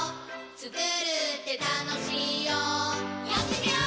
つくるってたのしいよやってみよー！